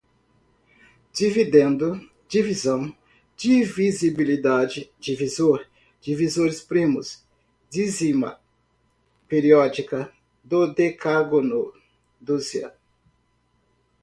dividendo, divisão, divisibilidade, divisor, divisores primos, dízima periódica, dodecágono, dúzia